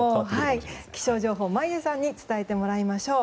気象情報、眞家さんに伝えてもらいましょう。